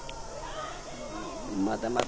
まだまだ！